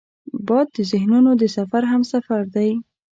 باد د ذهنونو د سفر همسفر دی